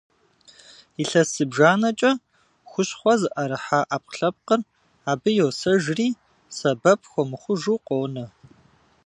Илъэс зыбжанэкӀэ хущхъуэ зыӀэрыхьа Ӏэпкълъэпкъыр абы йосэжри, сэбэп хуэмыхъужу къонэ.